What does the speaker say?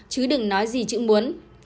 chứ đừng nói gì chữ muốn